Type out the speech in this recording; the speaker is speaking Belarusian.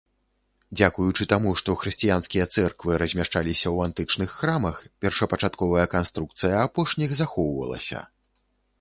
Дзякуючы таму, што хрысціянскія цэрквы размяшчаліся ў антычных храмах, першапачатковая канструкцыя апошніх захоўвалася.